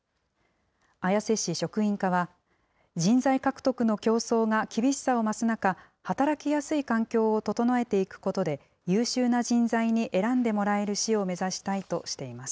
綾瀬市職員課は、人材獲得の競争が厳しさを増す中、働きやすい環境を整えていくことで、優秀な人材に選んでもらえる市を目指したいとしています。